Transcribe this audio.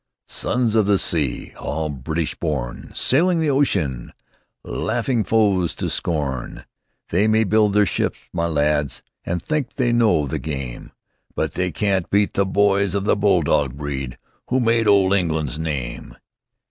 "Sons of the sea, All British born, Sailing the ocean, Laughing foes to scorn. They may build their ships, my lads, And think they know the game; But they can't beat the boys of the bulldog breed Who made old England's name!"